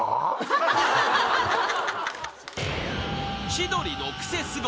［『千鳥のクセスゴ！』